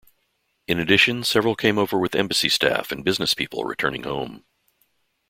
In addition, several came over with embassy staff and business people returning home.